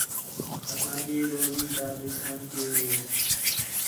اساں جی روزی تا دُشمن کیئر ہِے